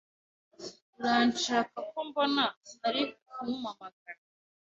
Uranshaka ko mbona ari kumamagara?